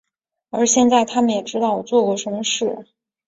而现在他们也知道我做过什么事。